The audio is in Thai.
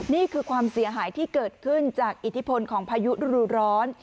นี่คือความเสียหายที่เกิดขึ้นจากอิทธิพลของพายุรูร้อน